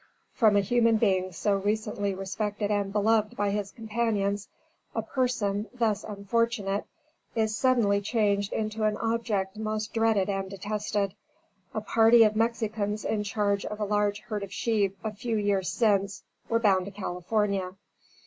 From a human being so recently respected and beloved by his companions, a person, thus unfortunate, is suddenly changed into an object most dreaded and detested. A party of Mexicans in charge of a large herd of sheep, a few years since, were bound to California.